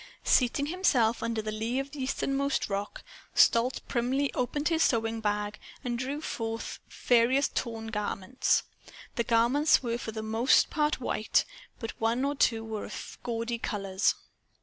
Seating himself under the lee of the easternmost rock, Stolz primly opened his sewing bag and drew forth various torn garments. The garments were for the most part white, but one or two were of gaudy colors.